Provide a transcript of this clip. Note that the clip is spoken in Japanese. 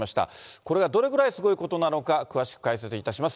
これがどれぐらいすごいことなのか、詳しく解説いたします。